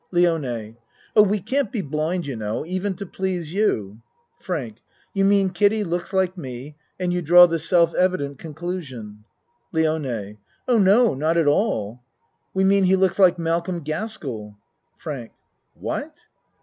LIONE Oh, we can't be blind, you know, even to please you. FRANK You mean Kiddie looks like me and you draw the self evident conclusion. LIONE Oh, no, not at all. We mean he looks like Malcolm Gaskell. FRANK What?